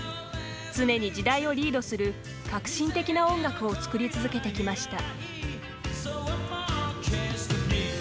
常に時代をリードする革新的な音楽を作り続けてきました。